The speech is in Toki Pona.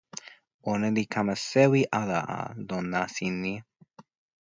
ona li kama sewi ala a lon nasin ni.